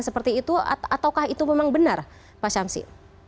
seperti itu ataukah itu memang benar pak syamsi